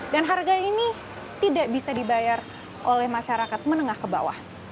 dan harga ini tidak bisa dibayar oleh masyarakat menengah ke bawah